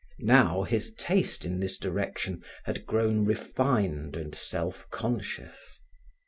Now his taste in this direction had grown refined and self conscious.